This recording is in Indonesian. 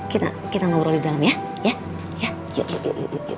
kita kita ngobrol di dalam ya ya ya